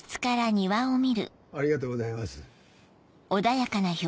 ありがとうございます。